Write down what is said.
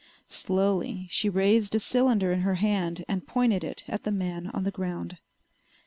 Slowly she raised a cylinder in her hand and pointed it at the man on the ground.